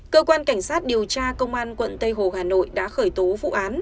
cơ quan cảnh sát điều tra công an quận tây hồ hà nội đã khởi tố vụ án